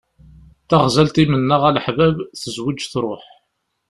Taɣzalt i mennaɣ a leḥbab, tezweǧ truḥ.